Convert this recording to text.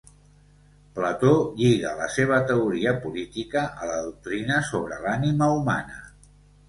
Plató lliga la seva teoria política a la doctrina sobre l'ànima humana.